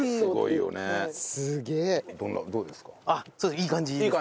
いい感じですね。